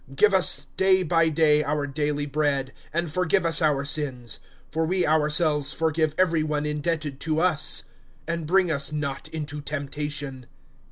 (3)Give us day by day our daily bread[11:3]. (4)And forgive us our sins; for we ourselves forgive every one indebted to us. And bring us not into temptation.